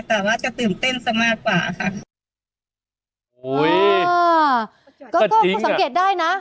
แต่ว่าจะตื่นเต้นซะมากกว่าค่ะอุ้ยอ่าก็ก็สังเกตได้นะ